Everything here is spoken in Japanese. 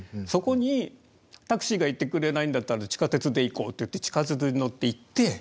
そこにタクシーが行ってくれないんだったら地下鉄で行こうっていって地下鉄に乗って行って。